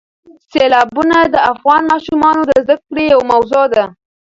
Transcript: سیلابونه د افغان ماشومانو د زده کړې یوه موضوع ده.